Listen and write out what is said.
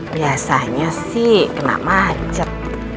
biasanya sih kena macet